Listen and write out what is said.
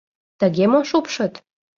Тыге мо шупшыт?